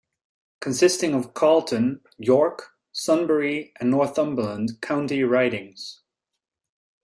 Consisting of Carleton, York, Sunbury and Northumberland county ridings.